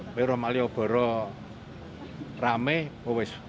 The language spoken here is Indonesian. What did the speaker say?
kalau di rumah di rumah ramai